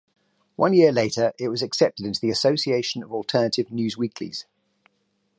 One year later, it was accepted into the Association of Alternative Newsweeklies.